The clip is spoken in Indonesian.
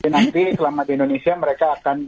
nanti selama di indonesia mereka akan